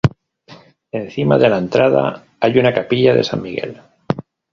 Encima de la entrada hay una capilla de San Miguel.